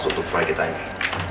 untuk proyek kita ini